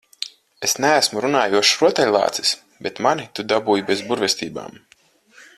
Es neesmu runājošs rotaļlācis, bet mani tu dabūji bez burvestībām.